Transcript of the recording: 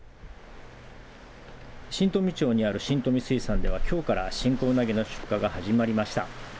新富町にある新富水産ではきょうから新仔うなぎの出荷が始まりました。